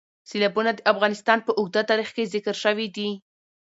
سیلابونه د افغانستان په اوږده تاریخ کې ذکر شوي دي.